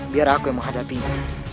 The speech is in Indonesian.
biar aku yang menghadapinya